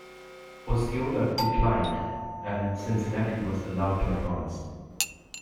Osceola declined, and Cincinnati was allowed to advance.